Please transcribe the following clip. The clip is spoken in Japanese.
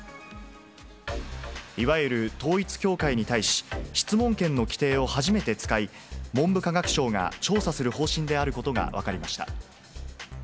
いわゆる統一教会に対し、質問権の規定を初めて使い、文部科学省が調査する方針であることが分かりました。